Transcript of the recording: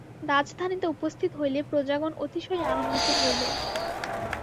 রাজধানীতে উপস্থিত হইলে প্রজাগণ অতিশয় আনন্দিত হইল।